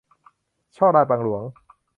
ฉ้อราษฎร์บังหลวง